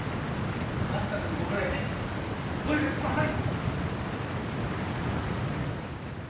数々のご無礼お許しください！